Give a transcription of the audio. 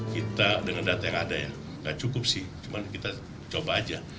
kita dengan data yang ada ya nggak cukup sih cuma kita coba aja